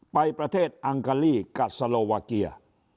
ไปประเทศอังกาลีกับสโลวาเกีย